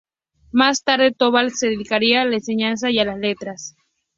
Más tarde Tobal se dedicaría a la enseñanza y a las letras.